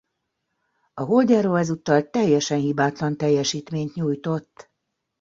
A holdjáró ezúttal teljesen hibátlan teljesítményt nyújtott.